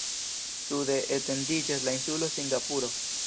Sude etendiĝas la insulo Singapuro.